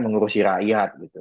mengurusi rakyat gitu